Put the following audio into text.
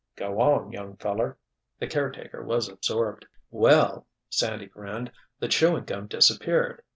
"Go on, young feller." The caretaker was absorbed. "Well," Sandy grinned, "the chewing gum disappeared!